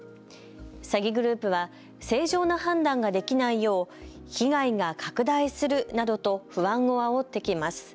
詐欺グループは正常な判断ができないよう被害が拡大するなどと不安をあおってきます。